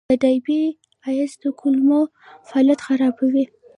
د ډایبی ایس د کولمو فعالیت خرابوي.